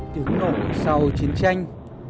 tiếng nổ sau chiến tranh